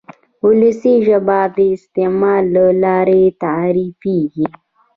وولسي ژبه د استعمال له لارې تعریفېږي.